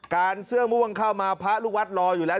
เสื้อม่วงเข้ามาพระลูกวัดรออยู่แล้ว